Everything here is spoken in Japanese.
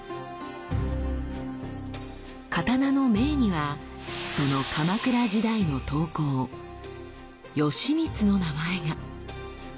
刀の銘にはその鎌倉時代の刀工「吉光」の名前が！